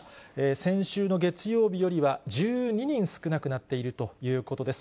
先週の月曜日よりは１２人少なくなっているということです。